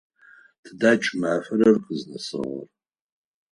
Тыда кӏымафэр къызнэсыгъэр?